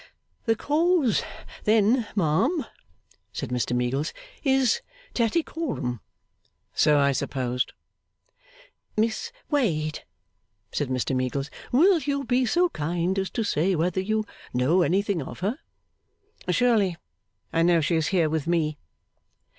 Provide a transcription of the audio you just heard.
'The cause then, ma'am,' said Mr Meagles, 'is Tattycoram.' 'So I supposed.' 'Miss Wade,' said Mr Meagles, 'will you be so kind as to say whether you know anything of her?' 'Surely. I know she is here with me.